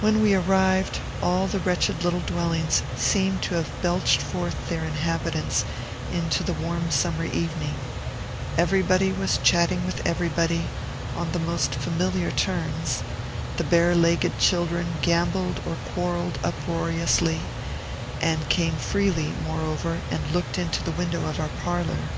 When we arrived, all the wretched little dwellings seemed to have belched forth their inhabitants into the warm summer evening; everybody was chatting with everybody, on the most familiar terms; the bare legged children gambolled or quarrelled uproariously, and came freely, moreover, and looked into the window of our parlor.